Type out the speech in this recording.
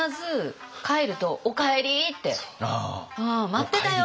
「待ってたよ！」